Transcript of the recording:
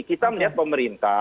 kita melihat pemerintah